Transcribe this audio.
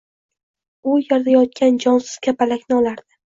U yerda yotgan jonsiz kapalakni olardi.